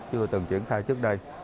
chưa từng chuyển khai trước đây